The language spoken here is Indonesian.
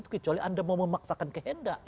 kecuali anda mau memaksakan kehendak